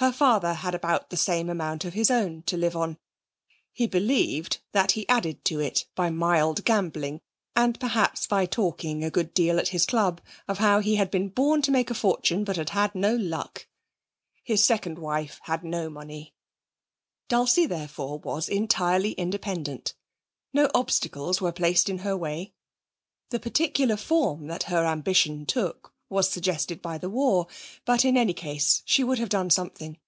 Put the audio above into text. Her father had about the same amount of his own to live on. He believed that he added to it by mild gambling, and perhaps by talking a good deal at his club of how he had been born to make a fortune but had had no luck. His second wife had no money. Dulcie, therefore, was entirely independent. No obstacles were placed in her way the particular form that her ambition took was suggested by the war, but in any case she would have done something.